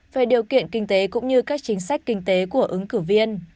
về điều kiện kinh tế cũng như các chính sách kinh tế của ứng cử viên